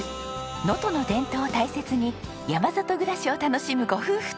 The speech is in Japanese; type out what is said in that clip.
能登の伝統を大切に山里暮らしを楽しむご夫婦と。